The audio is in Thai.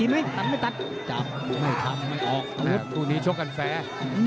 ไม่ทำไม่ออกตัวนี้โชคกันแฟร์